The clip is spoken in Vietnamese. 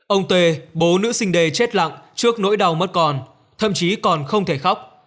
ông tê bố nữ sinh đê chết lặng trước nỗi đau mất con thậm chí còn không thể khóc